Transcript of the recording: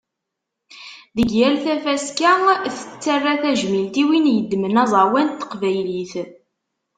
Deg yal tafaska, tettara tajmilt i win yeddmen aẓawan n teqbaylit.